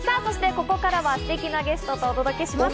ここからはすてきなゲストとお届けします。